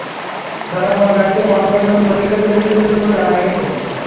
ধরা পড়া ব্যক্তিরা অন্যের হয়ে পরীক্ষা দিতে এসেছিলেন বলে জানা গেছে।